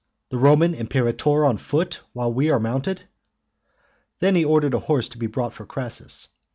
the Roman imperator on foot, while we are mounted?" Then he ordered a horse to be brought for Crassus.